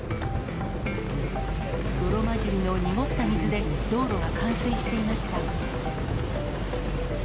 泥交じりの濁った水で、道路が冠水していました。